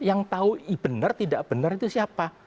yang tahu benar tidak benar itu siapa